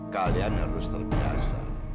kalian harus terbiasa